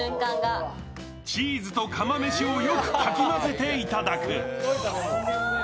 チーズと釜めしをよくかき混ぜていただく。